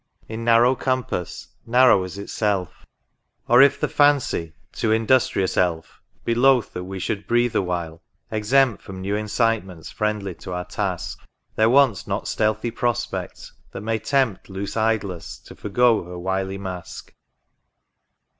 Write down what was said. In narrow compass — narrow as itself: Or if the Fancy, too industrious Elf, Be loth that we should breathe awhile exempt From new incitements friendly to our task. There wants not stealthy prospect, that may tempt Loose Idless to forego her wily mask.